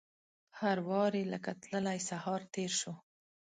په هر واري لکه تللی سهار تیر شو